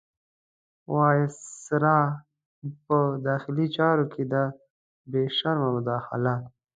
وایسرا په داخلي چارو کې دا بې شرمانه مداخله.